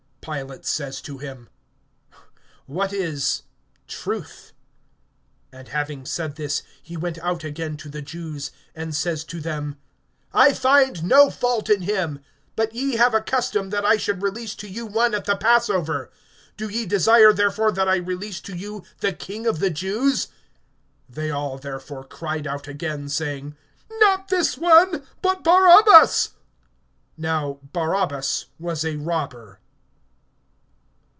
(38)Pilate says to him: What is truth? And having said this, he went out again to the Jews, and says to them: I find no fault in him. (39)But ye have a custom, that I should release to you one at the passover. Do ye desire therefore that I release to you the King of the Jews? (40)They all therefore cried out again, saying: Not this one, but Barabbas. Now Barabbas was a robber.